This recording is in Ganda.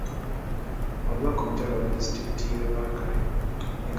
Omubaka omukyala owa Disitulikiti y'e Rakai